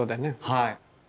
はい。